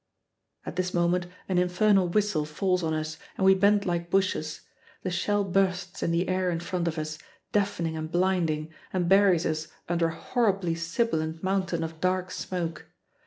At this moment an infernal whistle falls on us and we bend like bushes. The shell bursts in the air in front of us, deafening and blinding, and buries us under a horribly sibilant mountain of dark smoke.